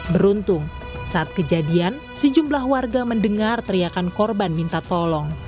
beruntung saat kejadian sejumlah warga mendengar teriakan korban minta tolong